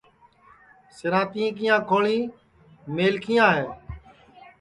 سِراتیے کیاں کھوݪی میلکھیاں ہے